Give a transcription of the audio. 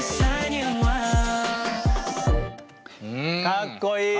かっこいい！